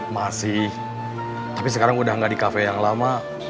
masih tapi sekarang udah nggak di kafe yang lama